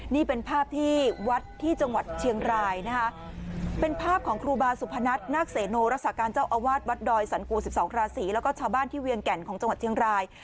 นี่เป็นภาพที่วัดที่จังหวัดเชียงรายนะคะเป็นภาพของครูบาสุพนัทนาคเสโนรักษาการเจ้าอาวาสวัดดอยสันกู๑๒ราศีแล้วก็ชาวบ้านที่เวียงแก่นของจังหวัดเชียงราย